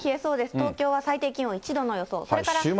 東京は最低気温１度の予想。